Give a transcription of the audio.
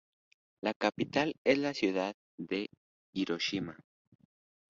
La capital es la ciudad de Hiroshima.